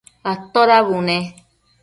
atoda bune?